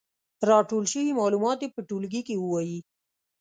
راټول شوي معلومات دې په ټولګي کې ووايي.